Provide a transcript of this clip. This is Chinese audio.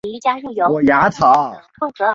还有一些其他选项。